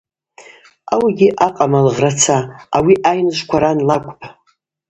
Ауыгьи акъама лыгъраца: ауи айныжвква ран лакӏвпӏ.